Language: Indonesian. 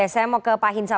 oke saya mau ke pak hinsa